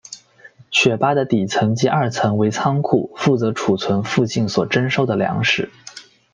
雪巴的底层及二层为仓库负责存储附近所征收的粮食。